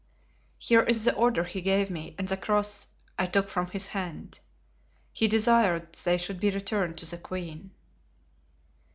"Here is the order he gave me and the cross I took from his hand; he desired they should be returned to the queen."